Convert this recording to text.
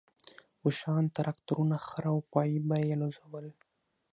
اوښان، تراکتورونه، خره او غوایي به یې الوزول.